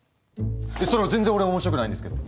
それ全然俺面白くないんですけど。